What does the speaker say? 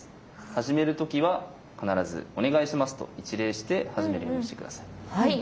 始める時は必ず「お願いします」と一礼して始めるようにして下さい。